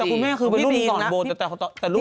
แต่คุณแม่คือรุ่นก่อนโบแต่รุ่น